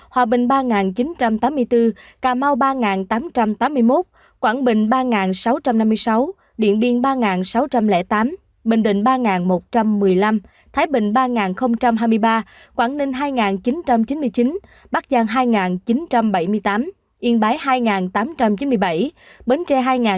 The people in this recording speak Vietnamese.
hòa bình ba chín trăm tám mươi bốn